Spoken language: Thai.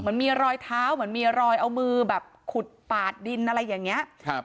เหมือนมีรอยเท้าเหมือนมีรอยเอามือแบบขุดปาดดินอะไรอย่างเงี้ยครับ